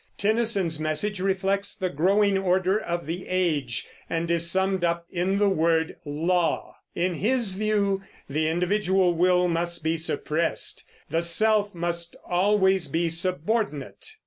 Tennyson's message reflects the growing order of the age, and is summed up in the word "law." in his view, the individual will must be suppressed; the self must always be subordinate.